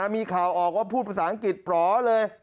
มีข่าวออกว่าพูดภาษาอังกฤษปลอเลย